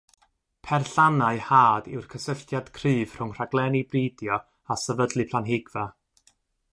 Perllannau had yw'r cysylltiad cryf rhwng rhaglenni bridio a sefydlu planhigfa.